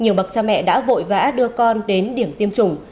nhiều bậc cha mẹ đã vội vã đưa con đến điểm tiêm chủng